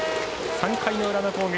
３回の裏の攻撃。